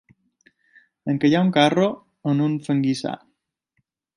Encallar, un carro, en un fanguissar.